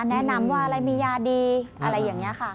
แนะนำว่าอะไรมียาดีอะไรอย่างนี้ค่ะ